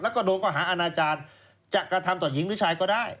แล้วก็โดนข้อหาอาณาจารย์จะกระทำต่อหญิงหรือชายก็ได้